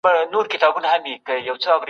تدریس یوه لار ده خو پوهنه موخه ده.